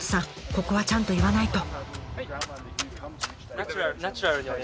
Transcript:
ここはちゃんと言わないと！